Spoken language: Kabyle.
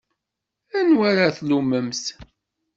Anwa ara tlummemt?